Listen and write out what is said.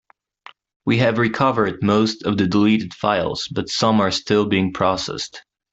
We have recovered most of the deleted files, but some are still being processed.